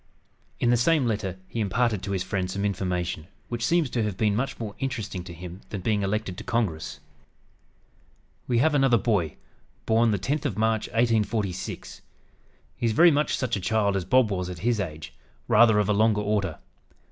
In the same letter he imparted to his friend some information which seems to have been much more interesting to him than being elected to Congress: "We have another boy, born the 10th of March (1846). He is very much such a child as Bob was at his age, rather of a longer order.